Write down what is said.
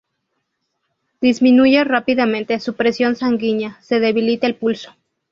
Disminuye rápidamente su presión sanguínea, se debilita el pulso.